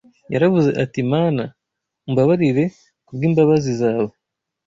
Yaravuze ati Mana, umbabarire ku bw’imbabazi zawe: